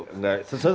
iya itu itu